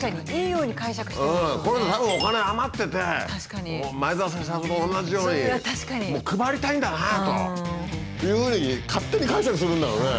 この人たぶんお金余ってて前澤社長と同じように配りたいんだなというふうに勝手に解釈するんだろうね。